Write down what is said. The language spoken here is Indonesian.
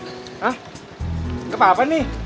hah kepapa nih